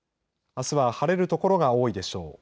あすは晴れる所が多いでしょう。